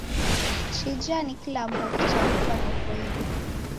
Chija ni kilamboki chadukwa noko ighu?